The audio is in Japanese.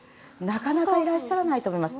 なかなかいらっしゃらないと思います。